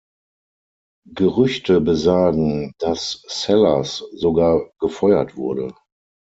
Gerüchte besagen, dass Sellers sogar gefeuert wurde.